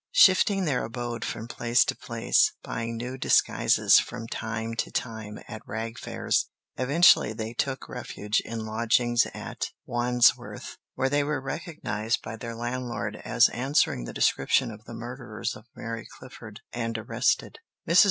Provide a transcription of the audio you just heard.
Shifting their abode from place to place, buying new disguises from time to time at rag fairs, eventually they took refuge in lodgings at Wandsworth, where they were recognized by their landlord as answering the description of the murderers of Mary Clifford, and arrested. Mrs.